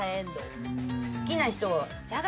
好きな人。